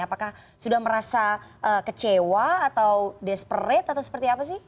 apakah sudah merasa kecewa atau desperate atau seperti apa sih